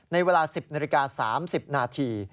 ในเวลา๑๐นาฬิกา๓๐นาที